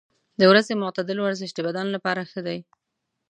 د ورځې معتدل ورزش د بدن لپاره ښه دی.